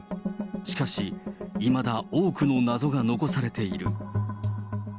しかし、いまだ多くの謎が残されている。